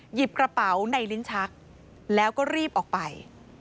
หยิบกระเป๋าในลิ้นชักแล้วก็รีบออกไป